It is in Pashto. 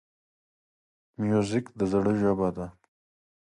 موزیک د زړه ژبه ده.